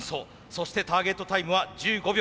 そしてターゲットタイムは１５秒。